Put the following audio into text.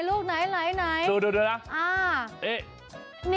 ลูกไหนดูล่ะนี่ได้ทั้งนี่